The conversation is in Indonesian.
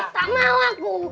tak mau aku